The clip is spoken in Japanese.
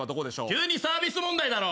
急にサービス問題だろ。